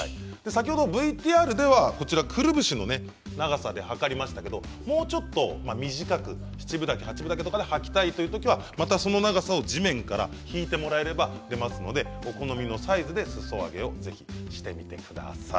先ほどＶＴＲではくるぶしの長さで測りましたけどもうちょっと短く七分丈、八分丈ではきたいときは股下の長さを地面から引いてもらえれば出ますのでお好みのサイズですそ上げをぜひしてみてください。